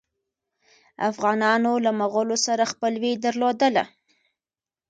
افغانانو له مغولو سره خپلوي درلودله.